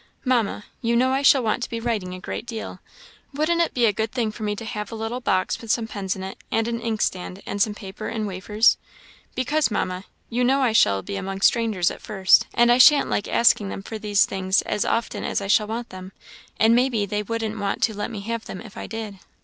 "Mamma, you know I shall want to be writing a great deal; wouldn't it be a good thing for me to have a little box with some pens in it, and an inkstand, and some paper and wafers? Because, Mamma, you know I shall be among strangers at first, and I shan't like asking them for these things as often as I shall want them, and may be they wouldn't want to let me have them if I did."